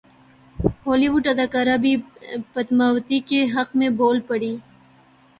Holi would اداکارہ بھی پدماوتی کے حق میں بول پڑیں